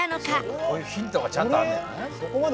こういうヒントがちゃんとあんねんな。